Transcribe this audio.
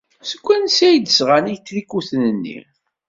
Seg wansi ay d-sɣan itrikuten-nni?